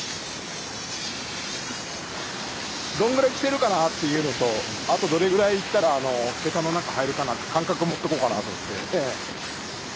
どんぐらい来てるかなっていうのとあとどれぐらい行ったら桁の中入るかなって感覚持っとこうかなと思って。